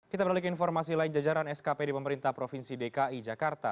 kita beralih ke informasi lain jajaran skp di pemerintah provinsi dki jakarta